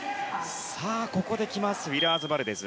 ここで来ますウィラーズバルデズ。